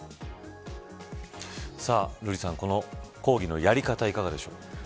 瑠麗さん、この抗議のやり方いかがでしょう。